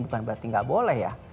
bukan berarti nggak boleh ya